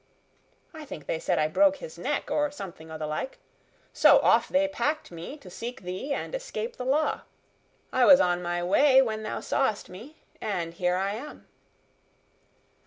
I think they said I broke his neck, or something o' the like. So off they packed me to seek thee and escape the law. I was on my way when thou sawest me, and here I am."